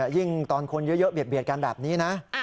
ยิ่งตอนคนเยอะเบียดกันแบบนี้นะ